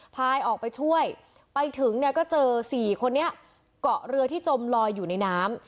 พายออกไปช่วยไปถึงเนี่ยก็เจอสี่คนนี้เกาะเรือที่จมลอยอยู่ในน้ำ